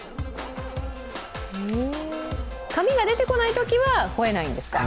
紙が出てこないときは吠えないんですか？